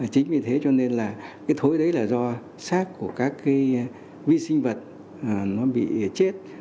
chính vì thế cho nên là cái thối đấy là do sát của các cái vi sinh vật nó bị chết